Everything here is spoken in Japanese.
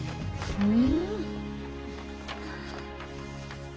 うん。